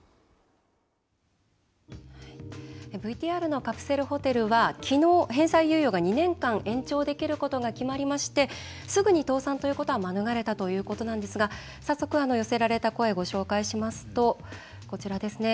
ＶＴＲのカプセルホテルはきのう、返済猶予が２年間延長できることが決まりましてすぐに倒産ということは免れたということなんですが早速、寄せられた声ご紹介しますと、こちらですね。